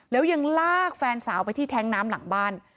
แล้วยังลากแฟนสาวไปที่แท้งน้ำหลังบ้าน